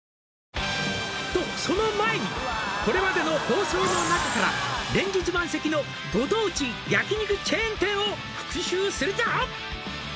「とその前にこれまでの放送の中から」「連日満席のご当地焼肉チェーン店を復習するぞ」